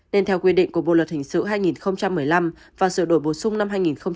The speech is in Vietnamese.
nên theo quy định của bộ luật hình sự hai nghìn một mươi năm và sửa đổi bổ sung năm hai nghìn một mươi bảy